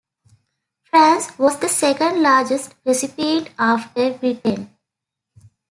France was the second largest recipient after Britain.